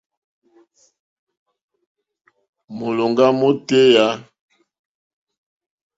Mólòŋɡá mótéyà.